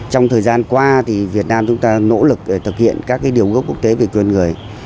trong thời gian qua thì việt nam chúng ta nỗ lực để thực hiện các điều gốc quốc tế về quyền người